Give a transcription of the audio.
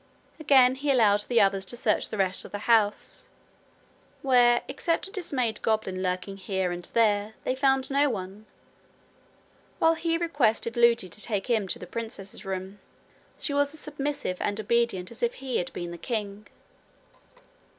Again he allowed the others to search the rest of the house where, except a dismayed goblin lurking here and there, they found no one while he requested Lootie to take him to the princess's room. She was as submissive and obedient as if he had been the king.